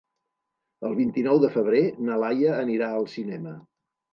El vint-i-nou de febrer na Laia anirà al cinema.